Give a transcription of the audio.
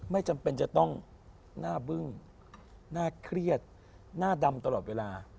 ไม่จำเป็นจะต้องหน้าบึ้งน่าเครียดหน้าดำตลอดเวลา